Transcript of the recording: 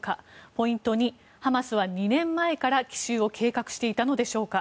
ポイント２ハマスは２年前から奇襲を計画していたのでしょうか。